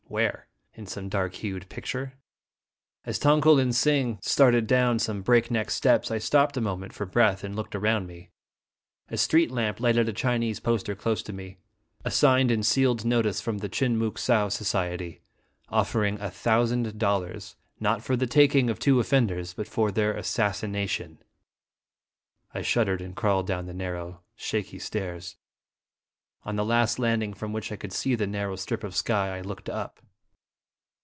where? in some dark hued picture? As Tong ko lin sing started down some breakneck steps, I stopped a moment for breath, and looked around me. A street lamp lighted a Chinese poster close by me, a signed and sealed notice from the Chin Mook Sow society, offering a thousand dollars, not for the taking of two offenders, but for their assassina tion ! I shuddered and crawled down the nar row, shaky stairs. On the last landing from which I could see the narrow strip of sky, I looked up.